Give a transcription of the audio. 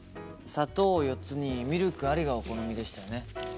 砂糖４つにミルクありがお好みでしたよね？